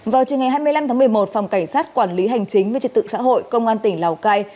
vào chiều ngày hai mươi năm tháng một mươi một phòng cảnh sát quản lý hành chính với trật tự xã hội công an tỉnh lào cai